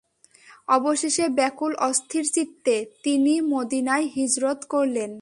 অবশেষে ব্যাকূল অস্থির চিত্তে তিনি মদীনায় হিজরত করলেন।